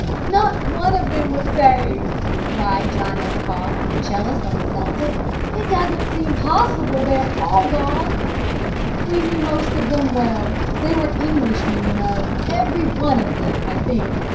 "Not one of them saved!" cried John S. Carr, 'cellist on the Celtic. "It doesn't seem possible they have all gone. "We knew most of them well. They were Englishmen, you know every one of them, I think.